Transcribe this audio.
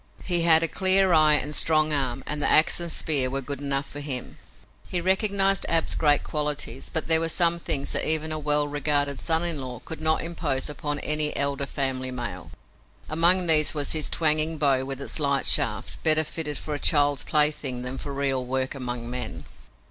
He had a clear eye and strong arm, and the ax and spear were good enough for him! He recognized Ab's great qualities, but there were some things that even a well regarded son in law could not impose upon any elder family male. Among these was this twanging bow with its light shaft, better fitted for a child's plaything than for real work among men.